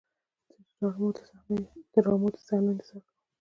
زه د ډرامو د صحنو انتظار کوم.